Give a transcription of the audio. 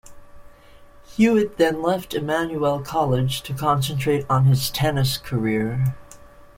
Hewitt then left Immanuel College to concentrate on his tennis career.